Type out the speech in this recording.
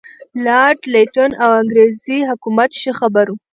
لارډ لیټن او انګریزي حکومت ښه خبر وو.